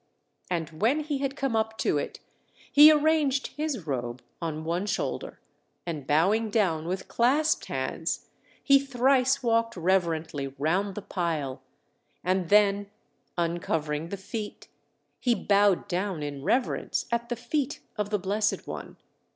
And when he had come up to it, he arranged his robe on one shoulder; and bowing down with clasped hands he thrice walked reverently round the pile; and then, uncovering the feet, he bowed down in reverence at the feet of the Blessed One.